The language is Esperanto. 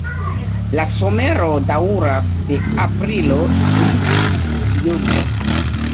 La somero daŭras de aprilo ĝis julio.